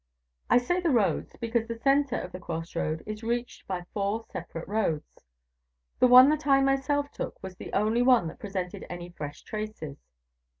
I say the roads, because the center of the cross road is reached by four separate roads. The one that I myself took was the only one that presented any fresh traces.